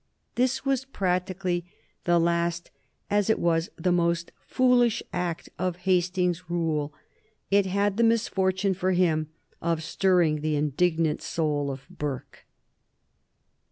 This was practically the last, as it was the most foolish, act of Hastings's rule. It had the misfortune for him of stirring the indignant soul of Burke.